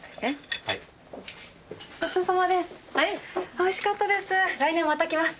おいしかったです。